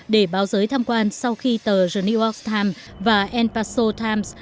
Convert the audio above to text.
để báo giới tham quan sau khi tờ the new york times và el paso times